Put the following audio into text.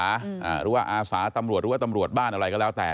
หรือว่าอาสาตำรวจหรือว่าตำรวจบ้านอะไรก็แล้วแต่